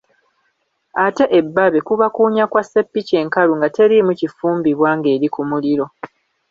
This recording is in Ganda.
Ate ebbabe kuba kuwunya kwa sseppiki enkalu nga teriimu kifumbibwa ng'eri ku muliro.